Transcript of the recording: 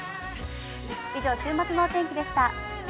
以上、週末のお天気でした。